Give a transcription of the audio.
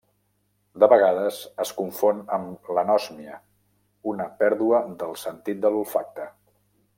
De vegades es confon amb l'Anòsmia: una pèrdua del sentit de l'olfacte.